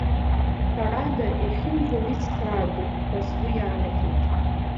Ҳәарада, иахьынӡауа ицхраатәуп ҳәа сгәы иаанагеит.